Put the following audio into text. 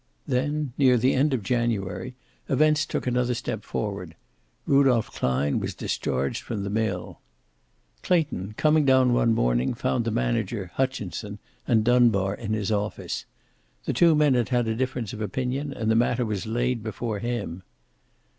Then, near the end of January, events took another step forward. Rudolph Klein was discharged from the mill. Clayton, coming down one morning, found the manager, Hutchinson, and Dunbar in his office. The two men had had a difference of opinion, and the matter was laid before him.